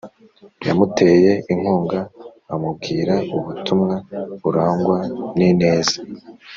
yamuteye inkunga amubwira ubutumwa burangwa n ineza